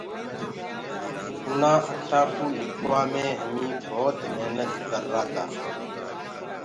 اُنآ اکرآنٚ ڪوُ لِکوآ مي همي تمآ گهڻي محنت ڪرآ تآ۔